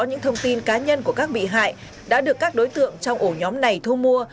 những thông tin cá nhân của các bị hại đã được các đối tượng trong ổ nhóm này thu mua